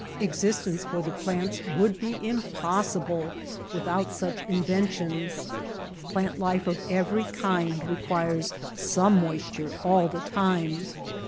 Existence for the plants would be impossible without such inventions. Plant life of every kind requires some moisture all the time.